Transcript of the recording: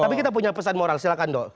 tapi kita punya pesan moral silahkan dok